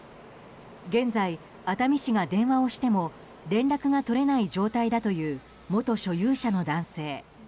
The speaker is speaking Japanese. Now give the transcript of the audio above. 現在、熱海市が電話をしても連絡が取れない状態だという元所有者の男性。